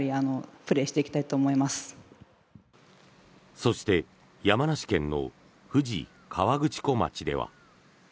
そして山梨県の富士河口湖町では。